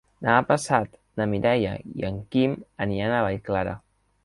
Demà passat na Mireia i en Quim aniran a Vallclara.